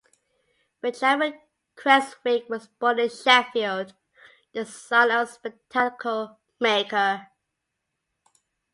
Benjamin Creswick was born in Sheffield, the son of a spectacle-maker.